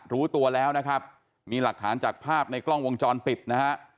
รู้ตัวแล้วนะครับมีหลักฐานจากภาพในกล้องวงจรปิดนะฮะ